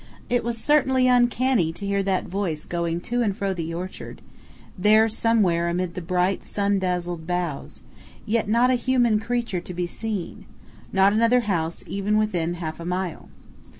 "_ It was certainly uncanny to hear that voice going to and fro the orchard, there somewhere amid the bright sun dazzled boughs yet not a human creature to be seen not another house even within half a mile.